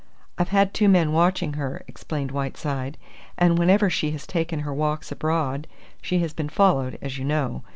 "I've had two men watching her," explained Whiteside, "and whenever she has taken her walks abroad she has been followed, as you know.